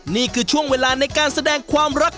นี่คือช่วงเวลาในการแสดงความรัก